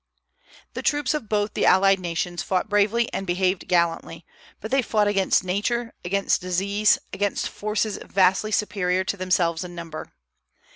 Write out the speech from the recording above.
The troops of both the allied nations fought bravely and behaved gallantly; but they fought against Nature, against disease, against forces vastly superior to themselves in number.